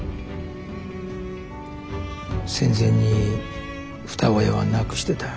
戦前に二親は亡くしてた。